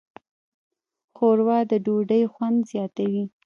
ښوروا د ډوډۍ خوند زیاتوي.